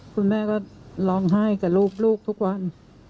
คุณแม่ก็ร้องไห้กับรูปลูกทุกวัน